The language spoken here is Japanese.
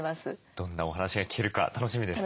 どんなお話が聞けるか楽しみですね。